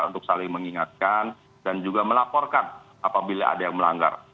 untuk saling mengingatkan dan juga melaporkan apabila ada yang melanggar